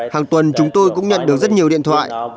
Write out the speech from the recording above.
hàng tuần chúng tôi cũng nhận được rất nhiều điện thoại